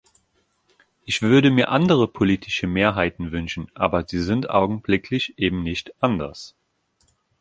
Ich würde mir andere politische Mehrheiten wünschen, aber sie sind augenblicklich eben nicht anders.